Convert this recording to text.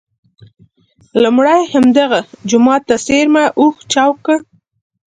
لومړی همدغه جوما ته څېرمه یې اوښ چوک کړ.